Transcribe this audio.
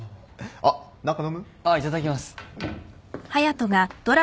あっいただきます。